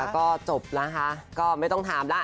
ก็จบแล้วค่ะก็ไม่ต้องถามแล้ว